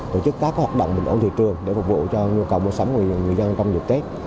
tổ chức các hoạt động bình ổn thị trường để phục vụ cho nhu cầu mua sắm người dân trong dịp tết